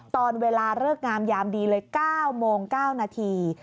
ตอนเวลาเลิกงามยามดีเลย๙โมง๙นาที